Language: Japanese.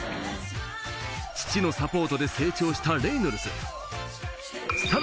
父のサポートで成長したレイノルズ。